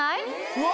うわ！